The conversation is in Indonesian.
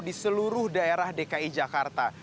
di seluruh daerah dki jakarta